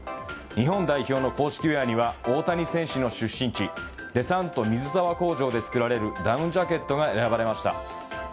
日本代表の公式ウェアには大谷選手の出身地デサント水沢工場で作られるダウンジャケットが選ばれました。